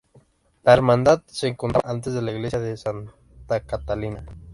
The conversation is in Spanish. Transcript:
La hermandad se encontraba antes en la iglesia de Santa Catalina.